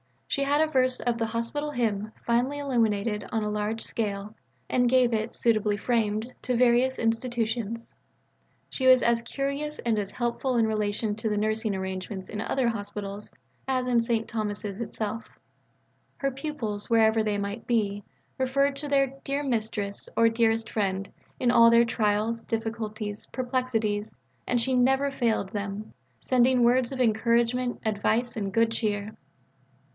She had a verse of the Hospital Hymn finely illuminated on a large scale and gave it, suitably framed, to various institutions. She was as curious and as helpful in relation to the nursing arrangements in other hospitals as in St. Thomas's itself. Her pupils, wherever they might be, referred to their "dear Mistress" or "dearest friend" in all their trials, difficulties, perplexities, and she never failed them sending words of encouragement, advice, and good cheer.